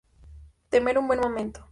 Tener un buen momento".